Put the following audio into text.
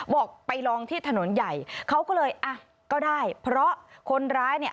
บอกไปลองที่ถนนใหญ่เขาก็เลยอ่ะก็ได้เพราะคนร้ายเนี่ย